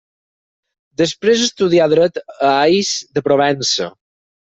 Després estudià dret a Ais de Provença.